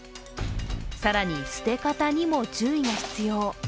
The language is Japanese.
更に、捨て方にも注意が必要。